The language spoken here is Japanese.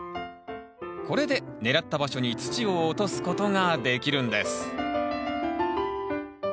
これで狙った場所に土を落とすことができるんです。